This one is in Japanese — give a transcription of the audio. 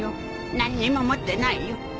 何にも持ってないよ。